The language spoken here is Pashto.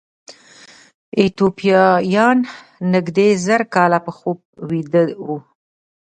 ایتوپیایان نږدې زر کاله په خوب ویده وو.